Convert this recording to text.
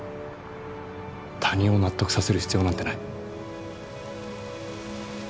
他人を納得させる必要なんてない。